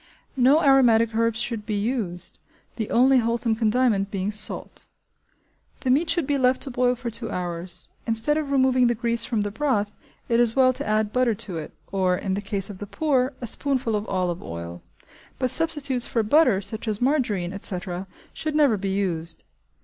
No aromatic herbs should be used, the only wholesome condiment being salt. The meat should be left to boil for two hours. Instead of removing the grease from the broth, it is well to add butter to it, or, in the case of the poor, a spoonful of olive oil; but substitutes for butter, such as margerine, etc., should never be used.